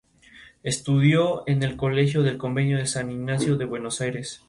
Se encuentra en los Balcanes y Creta.